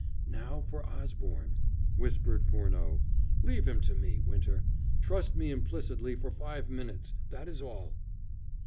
"Now for Osborne," whispered Furneaux. "Leave him to me, Winter. Trust me implicitly for five minutes that is all."